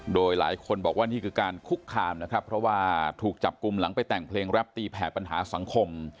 โดยหลายคนบอกว่านี่คือการคุกคามนะครับเพราะว่าถูกจับกลุ่มหลังไปแต่งเพลงแรปตีแผ่ปัญหาสังคม